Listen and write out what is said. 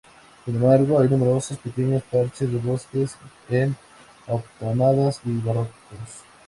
Sin embargo, hay numerosos pequeños parches de bosques en hondonadas y barrancos.